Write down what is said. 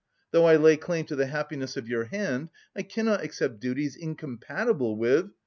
Though I lay claim to the happiness of your hand, I cannot accept duties incompatible with..."